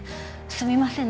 すみません